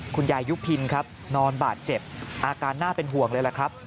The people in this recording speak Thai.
คุณยายยุพินครับนอนบาดเจ็บอาการน่าเป็นห่วงเลยล่ะครับ